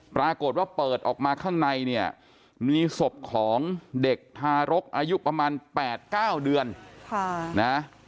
ปรากฏว่าเปิดออกมาข้างในเนี่ยมีศพของเด็กทารกอายุประมาณ๘๙เดือนนะ